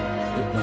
何？